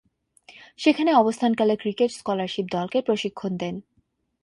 সেখানে অবস্থানকালে cricket scholarship দলকে প্রশিক্ষণ দেন।